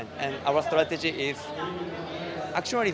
dan strategi kami adalah